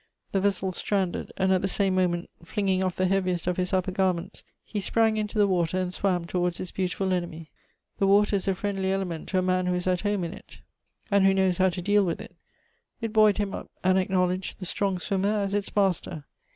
The vessel stranded ; and at the same moment, flinging off the heaviest of his upper gai ments, he sprang into the water and swam towards his beautifUl enemy. The water is a friendly element to a man who is at home in it, and who 258 Goethe's knows how to deal with it; it buoyed hitn up, and acknowledged the strong swimmer as its master.